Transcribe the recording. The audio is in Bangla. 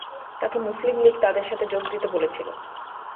তাকে মুসলিম লীগ তাদের সাথে যোগ দিতে বলেছিল।